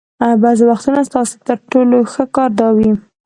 بعضې وختونه ستاسو تر ټولو ښه کار دا وي.